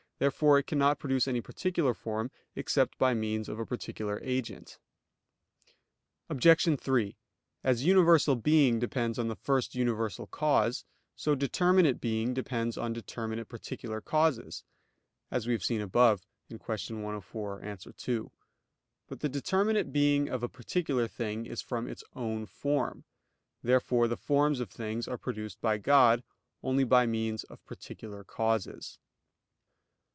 Therefore it cannot produce any particular form, except by means of a particular agent. Obj. 3: As universal being depends on the first universal cause, so determinate being depends on determinate particular causes; as we have seen above (Q. 104, A. 2). But the determinate being of a particular thing is from its own form. Therefore the forms of things are produced by God, only by means of particular causes.